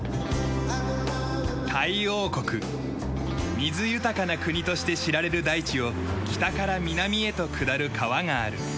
水豊かな国として知られる大地を北から南へと下る川がある。